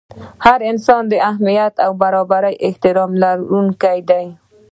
هر انسان د اهمیت او برابر احترام لرونکی دی.